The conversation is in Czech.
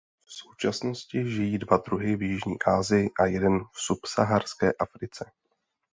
V současnosti žijí dva druhy v jižní Asii a jeden v subsaharské Africe.